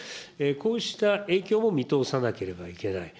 こうした影響も見通さなければいけない。